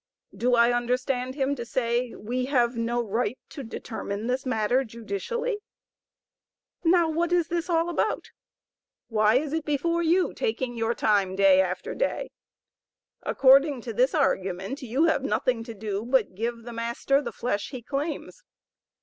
Do I understand him to say we have no right to determine this matter judicially? Now what is all this about? Why is it before you, taking your time day after day? According to this argument, you have nothing to do but to give the master the flesh he claims.